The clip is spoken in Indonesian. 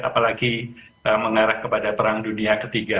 apalagi mengarah kepada perang dunia ketiga